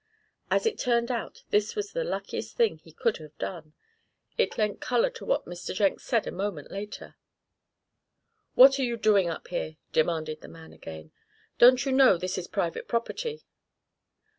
As it turned out this was the luckiest thing he could have done. It lent color to what Mr. Jenks said a moment later. "What are you doing up here?" demanded the man again. "Don't you know this is private property?"